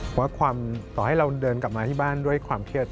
เพราะว่าความต่อให้เราเดินกลับมาที่บ้านด้วยความเครียด